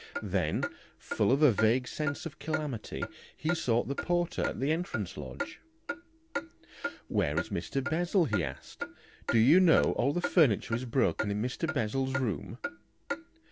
Then, full of a vague sense of calamity, he sought the porter at the entrance lodge. "Where is Mr. Bessel?" he asked. "Do you know that all the furniture is broken in Mr. Bessel's room?"